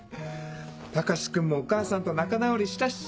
高志君もお母さんと仲直りしたし。